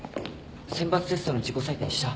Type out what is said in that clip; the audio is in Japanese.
選抜テストの自己採点した？